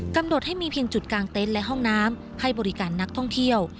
กำหนดให้มีเพียงจุดกางเต็นต์และห้องน้ำให้บริการนักท่องเที่ยว